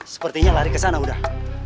sepertinya lari ke sana udah